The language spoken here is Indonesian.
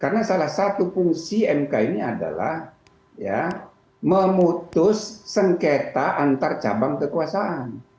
karena salah satu fungsi mk ini adalah memutus sengketa antar cabang kekuasaan